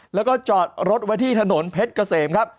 แล้วก็จอดรถไว้ที่ถนนเพชรเกษมครับ